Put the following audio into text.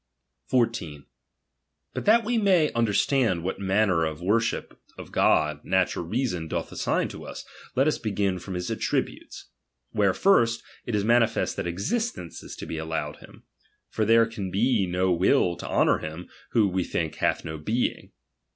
14. But that we may understand what manner ^"i" '*'" of worship of God natural reason doth assign us, bts runcer. let us begin from his attributes. Where first, it is manifest that existence is to be allowed him ; for there can be no will to honour him, who, we think, hath no being.